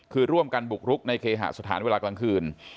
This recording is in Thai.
คือร่วมกันบุกรุกในเคหสถานเวลากลางคืน